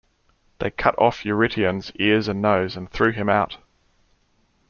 They cut off Eurytion's ears and nose and threw him out.